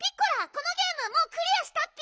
このゲームもうクリアしたッピ。